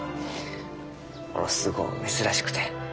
ものすごう珍しくて。